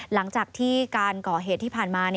หลังจากที่การก่อเหตุที่ผ่านมา